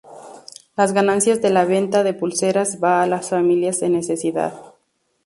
Las ganancias de la venta de pulseras va a las familias en necesidad.